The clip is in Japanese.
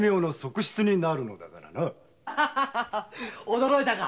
驚いたか？